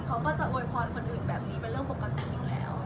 เขาก็จะโวยพรคนอื่นแบบนี้เป็นเรื่องปกติอยู่แล้ว